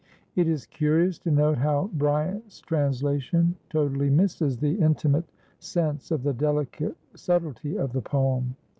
It is curious to note how Bryant's translation totally misses the intimate sense of the delicate subtility of the poem.